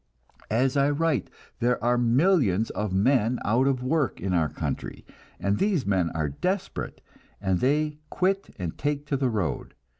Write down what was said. As I write, there are millions of men out of work in our country, and these men are desperate, and they quit and take to the road.